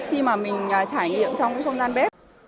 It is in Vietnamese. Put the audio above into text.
khi mà mình trải nghiệm trong cái không gian bếp